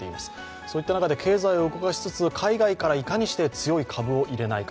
そうした中で、経済を動かしつつ、海外から強い株を入れないか。